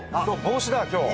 帽子だ今日。